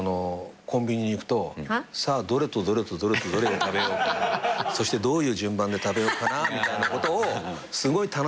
コンビニに行くと「さあどれとどれとどれとどれを食べよう？」そしてどういう順番で食べようかなみたいなことをすごい楽しみながら。